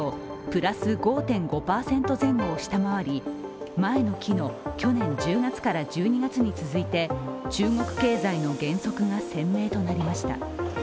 プラス５．５％前後を下回り前の期の去年１０月から１２月に続いて中国経済の減速が鮮明となりました。